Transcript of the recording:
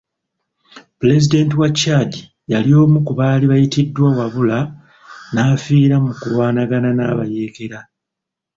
Pulezidenti wa Chad yali omu ku baali bayitiddwa wabula n'afiira mu kulwanagana n'abayeekera.